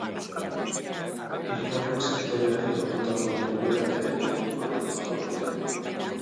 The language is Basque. Hirugarren sektoreari lotutako jarduerak ere kontuan hartzekoak dira.